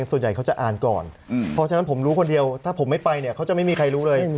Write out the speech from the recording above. ส่วนใหญ่เขาจะอ่านก่อนเพราะฉะนั้นผมรู้คนเดียวถ้าผมไม่ไปเนี่ยเขาจะไม่มีใครรู้เลย